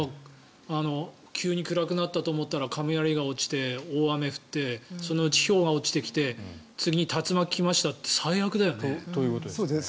急に暗くなったと思ったら雷が落ちて大雨が降ってそのうちひょうが落ちてきて次に竜巻が来ましたって最悪ですね。